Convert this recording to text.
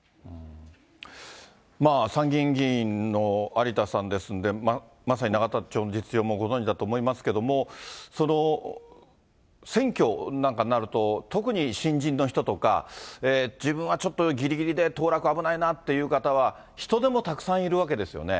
まあ参議院議員の有田さんですんで、まさに永田町の実情もご存じだと思いますけれども、選挙なんかになると、特に新人の人とか、自分はちょっとぎりぎりで当落危ないなって方は、人手もたくさんいるわけですよね。